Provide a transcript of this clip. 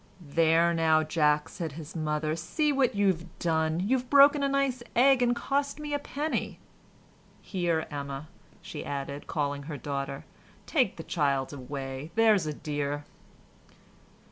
"There now, Jack," said his mother, "see what you've done, you've broken a nice egg and cost me a penny—Here, Emma," she added, calling her daughter, "take the child away, there's a dear."